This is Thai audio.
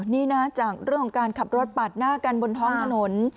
นี่นะจากเรื่องของการขับรถปาดหน้ากันบนท้องถนน